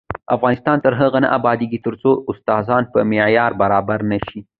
افغانستان تر هغو نه ابادیږي، ترڅو استادان په معیار برابر نشي.